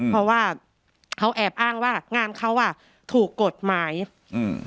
เพราะว่าเขาแอบอ้างว่างานเขาอ่ะถูกกฎหมายอืม